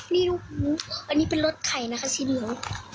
นี่ดูอันนี้เป็นรสไข่นะคะชีวิตเหลือง